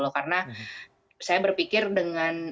karena saya berpikir dengan